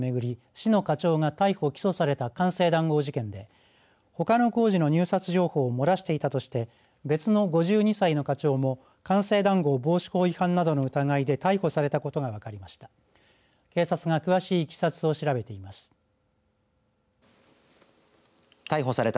市の課長が逮捕、起訴された官製談合事件でほかの工事の入札情報を漏らしていたとして別の５２歳の課長も官製談合防止法違反などの疑いで逮捕されたことが分かりました。